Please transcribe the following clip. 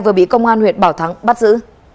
vừa bị công an huyện bảo thắng bắt giữ